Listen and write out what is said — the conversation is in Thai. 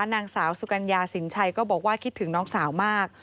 นางสาวสุกัญญาสินชัยก็บอกว่าคิดถึงน้องสาวมาก